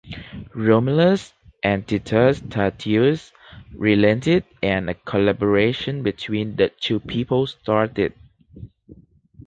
Romulus and Titus Tatius relented and a collaboration between the two people started.